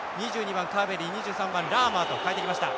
番カーベリー２３番ラーマーと代えてきました。